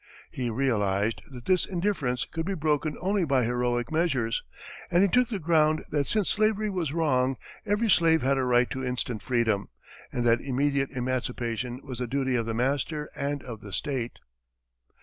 He realized that this indifference could be broken only by heroic measures, and he took the ground that since slavery was wrong, every slave had a right to instant freedom, and that immediate emancipation was the duty of the master and of the state.